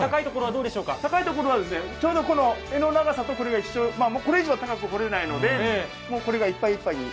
高いところは、柄の長さとこれが一緒これ以上は高く掘れないので、これがいっぱいいっぱい。